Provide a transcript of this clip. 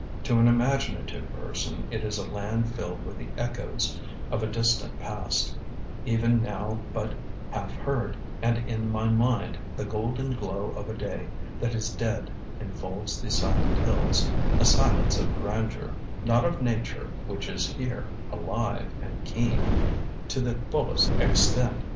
To an imaginative person it is a land filled with the echoes of a distant past, even now but half heard and in my mind the golden glow of a day that is dead enfolds the silent hills, a silence of grandeur, not of nature which is here alive and keen to the fullest extent.